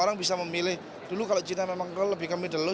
orang bisa memilih dulu kalau cina memang lebih ke middle low